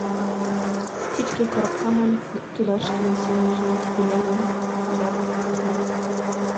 Спичке коробка ман, тудат шке семынже пӧлемым сӧрастара.